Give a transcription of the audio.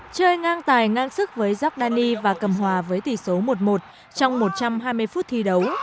chơi ngang tài ngang sức với giordani và cầm hòa với tỷ số một một trong một trăm hai mươi phút thi đấu